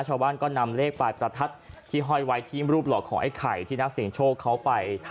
ชาวบ้านก็นำเลขปลายประทัดที่ห้อยไว้ที่รูปหล่อของไอ้ไข่ที่นักเสียงโชคเขาไป